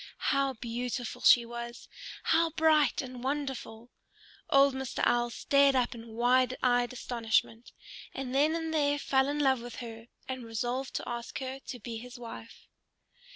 How beautiful she was! How bright and wonderful! Old Mr. Owl stared up in wide eyed astonishment, and then and there fell in love with her, and resolved to ask her to be his wife.